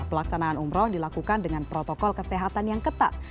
pelaksanaan umroh dilakukan dengan protokol kesehatan yang ketat